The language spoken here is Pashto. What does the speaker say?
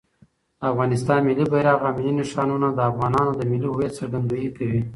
د افغانستان ملي بیرغ او ملي نښانونه د افغانانو د ملي هویت څرګندویي کوي.